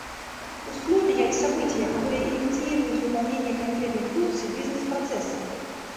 Условия и события, которые инициируют выполнение конкретных функций бизнес-процесса